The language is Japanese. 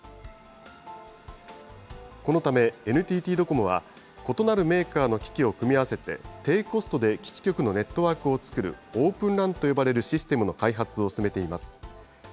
このため、ＮＴＴドコモは、異なるメーカーの機器を組み合わせて、低コストで基地局のネットワークを作るオープンＲＡＮと呼ばれるシステムの開発を進めています。